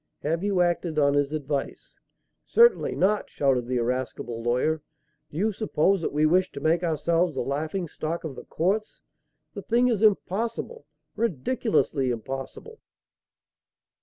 Have you acted on his advice?" "Certainly not!" shouted the irascible lawyer. "Do you suppose that we wish to make ourselves the laughing stock of the courts? The thing is impossible ridiculously impossible!"